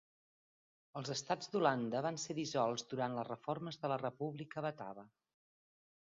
Els estats d'Holanda van ser dissolts durant les reformes de la República batava.